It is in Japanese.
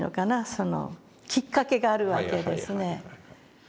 そのきっかけがあるわけですね。